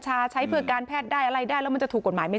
ชาใช้พืชการแพทย์ได้อะไรได้แล้วมันจะถูกภาพไม่